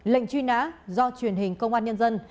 lệnh truy nã do truyền hình công an nhân dân